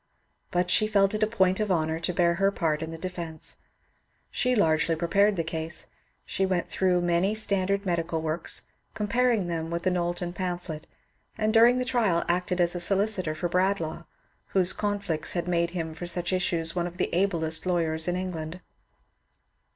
But she felt it a point of honour to bear her part in the defence. She largely prepared the case ; she went through many standard medical works, comparing them with the Knowlton pamphlet, and during the trial acted as a solicitor for Bradlaugh, whose conflicts had made him for such issues one of the ablest lawyers in England.